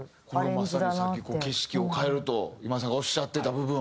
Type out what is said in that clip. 今まさにさっき景色を変えると今井さんがおっしゃってた部分。